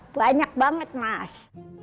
banyak banget mas